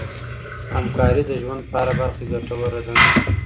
همکاري د ژوند په هره برخه کي ګټوره ده.